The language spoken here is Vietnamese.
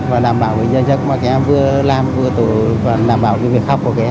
và đảm bảo người dân chất mà em vừa làm vừa tụi và đảm bảo việc học của em